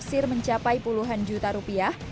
disir mencapai puluhan juta rupiah